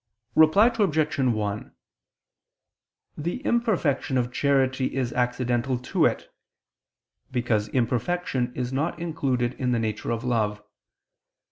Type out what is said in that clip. Reply Obj. 1: The imperfection of charity is accidental to it; because imperfection is not included in the nature of love.